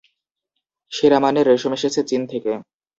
সেরা মানের রেশম এসেছে চীন থেকে।